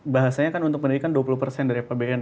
bahasanya kan untuk pendidikan dua puluh dari pbm ya